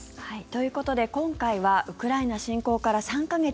ということで今回はウクライナ侵攻から３か月。